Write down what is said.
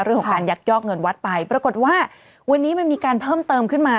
เรื่องของการยักยอกเงินวัดไปปรากฏว่าวันนี้มันมีการเพิ่มเติมขึ้นมา